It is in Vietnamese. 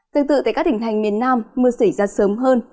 tương tự tại các tỉnh thành miền nam mưa xảy ra sớm hơn